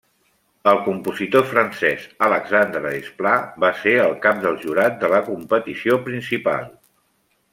El compositor francès Alexandre Desplat va ser el cap del jurat de la competició principal.